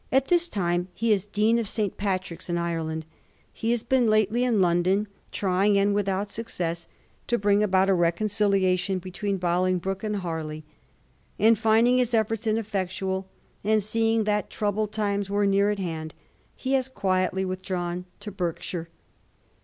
this time he is Dean of St. Patrick's in Ireland ; he has been lately in London trymg, and without success, to bring about a reconciliation between Bolingbroke and Harley ; and, finding his efforts ineffectual, and seeing that troubled times were near at hand, he has quietly withdrawn to Berkshire.